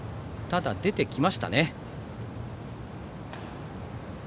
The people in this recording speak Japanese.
ただ、出てきましたね。